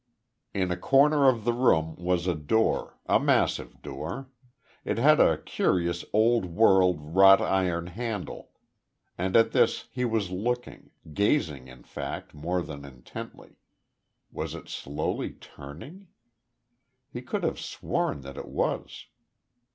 In a corner of the room was a door a massive door. It had a curious old world, wrought iron handle. And at this he was looking gazing, in fact, more than intently. Was it slowly turning? He could have sworn that it was.